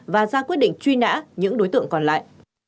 và ra quyết định truy nã những đối tượng còn lại